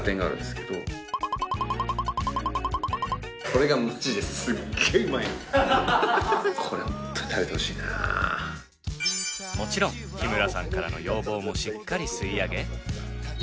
それがマジでもちろん日村さんからの要望もしっかり吸い上げ。